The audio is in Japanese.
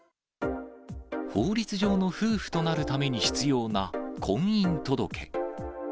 法律上の夫婦となるために必要な婚姻届。